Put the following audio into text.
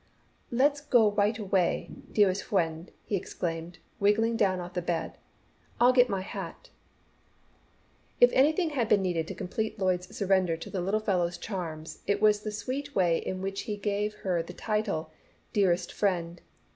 "Let's go wite away, Dea'st Fwend," he exclaimed, wriggling down off the bed. "I'll get my hat." If anything had been needed to complete Lloyd's surrender to the little fellow's charms, it was the sweet way in which he gave her the title "Dearest Friend."